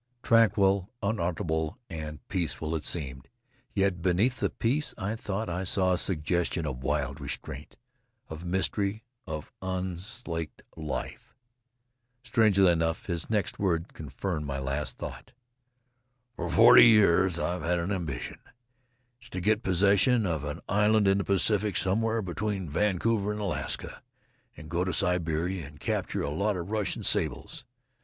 Tranquil, unalterable and peaceful it seemed; yet beneath the peace I thought I saw a suggestion of wild restraint, of mystery, of unslaked life. Strangely enough, his next words confirmed my last thought. "For forty years I've had an ambition. It's to get possession of an island in the Pacific, somewhere between Vancouver and Alaska, and then go to Siberia and capture a lot of Russian sables.